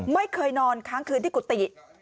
ไม่เคยนอนค้างคืนที่กุฏิ